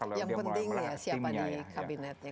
yang penting ya siapa di kabinetnya